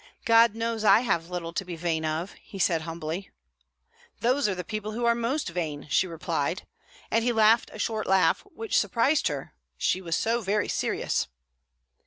"God knows I have little to be vain of," he said humbly. "Those are the people who are most vain," she replied; and he laughed a short laugh, which surprised her, she was so very serious.